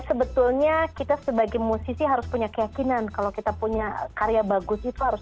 sebetulnya kita sebagai musisi harus punya keyakinan kalau kita punya karya bagus itu harus